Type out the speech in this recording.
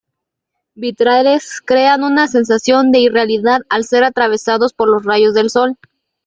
Vitrales crean una sensación de irrealidad al ser atravesados por los rayos del sol.